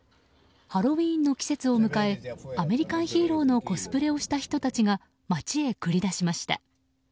ハロウィーンの季節を迎えアメリカンヒーローのコスプレをした人たちが街へ繰り出しました。